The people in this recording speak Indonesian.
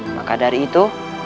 maka dari itu